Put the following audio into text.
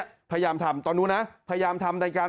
พยายามทำตอนนู้นนะพยายามทำรายการ